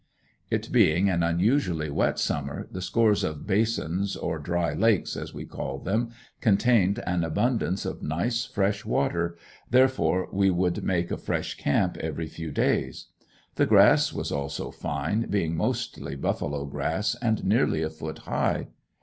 It being an unusually wet summer the scores of basins, or "dry lakes," as we called them, contained an abundance of nice fresh water, therefore we would make a fresh camp every few days. The grass was also fine, being mostly buffalo grass and nearly a foot high.